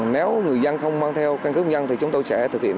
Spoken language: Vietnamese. nếu người dân không mang theo căn cứ công nhân thì chúng tôi sẽ thực hiện